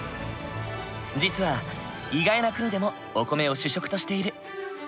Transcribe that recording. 実は意外な国でもお米を主食としている。